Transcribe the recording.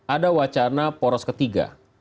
ada wacana poros ketiga